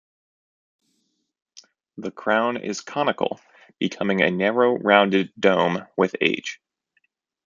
The crown is conical, becoming a narrow rounded dome with age.